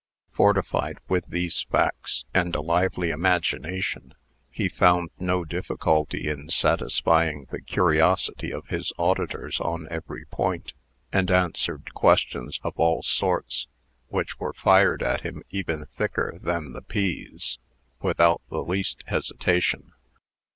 Fortified with these facts, and a lively imagination, he found no difficulty in satisfying the curiosity of his auditors on every point; and answered questions of all sorts, which were fired at him even thicker than the peas, without the least hesitation.